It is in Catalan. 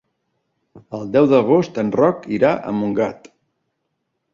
El deu d'agost en Roc irà a Montgat.